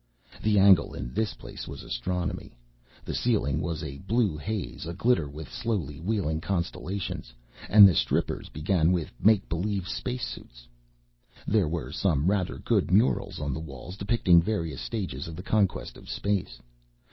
The angle in this place was astronomy. The ceiling was a blue haze a glitter with slowly wheeling constellations, and the strippers began with make believe spacesuits. There were some rather good murals on the walls depicting various stages of the conquest of space.